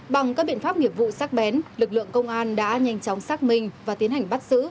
bằng các biện pháp nghiệp vụ sắc bén lực lượng công an đã nhanh chóng xác minh và tiến hành bắt xử